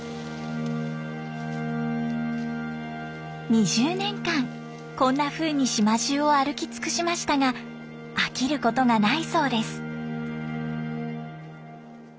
２０年間こんなふうに島じゅうを歩き尽くしましたが飽きることがないそうです。